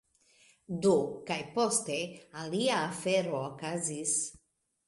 Do, kaj poste, alia afero okazis: